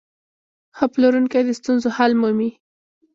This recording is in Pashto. ښه پلورونکی د ستونزو حل مومي.